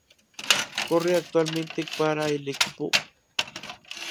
Corre actualmente para el equipo Vastgoedservice-Golden Palace.